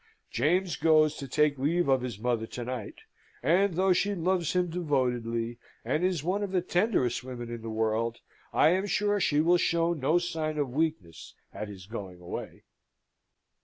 James goes to take leave of his mother to night; and though she loves him devotedly, and is one of the tenderest women in the world, I am sure she will show no sign of weakness at his going away."